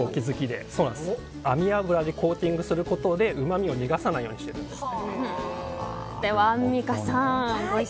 網脂でコーティングすることでうまみを逃がさないようにしてるんです。